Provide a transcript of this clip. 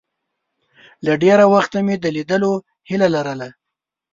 له ډېره وخته مې د لیدلو هیله لرله.